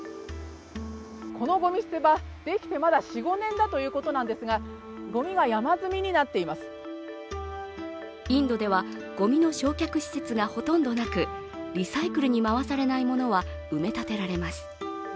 このごみ捨て場、できてまだ４５年だということですが、インドではごみの焼却施設がほとんどなくリサイクルに回されないものは埋め立てられます。